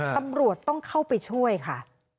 ตำรวจต้องเข้าไปช่วยค่ะ